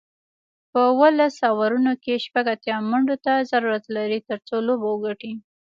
په اوولس اورونو کې شپږ اتیا منډو ته ضرورت لري، ترڅو لوبه وګټي